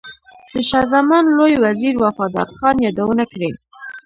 د شاه زمان لوی وزیر وفادار خان یادونه کړې.